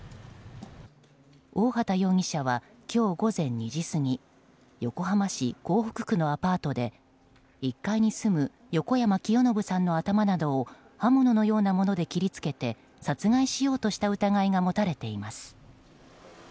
大畑容疑者は今日午前２時過ぎ横浜市港北区のアパートで１階に住む横山清延さんの頭などを刃物のようなもので切り付けて殺害しようとした疑いが持たれています。